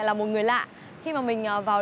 làm hình đầu hỏa nào